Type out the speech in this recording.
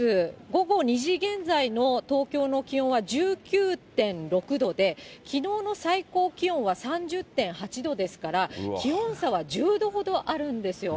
午後２時現在の東京の気温は１９．６度で、きのうの最高気温は３０．８度ですから、気温差は１０度ほどあるんですよ。